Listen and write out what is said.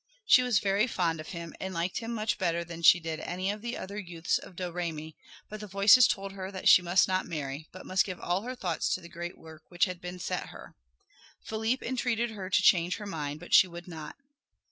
She was very fond of him, and liked him much better than she did any of the other youths of Domremy, but the voices told her that she must not marry, but must give all her thoughts to the great work which had been set her. Philippe entreated her to change her mind, but she would not.